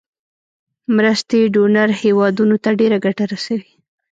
مرستې ډونر هیوادونو ته ډیره ګټه رسوي.